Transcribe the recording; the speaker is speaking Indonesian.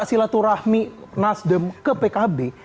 silaturahmi nasdem ke pkb